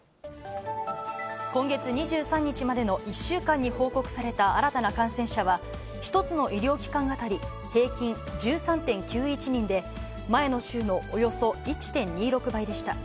今月２３日までの１週間に報告された新たな感染者は、１つの医療機関当たり、平均１３．９１人で、前の週のおよそ１．２６倍でした。